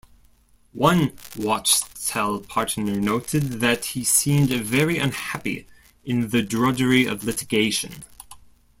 One Wachtell partner noted that he seemed very unhappy in the drudgery of litigation.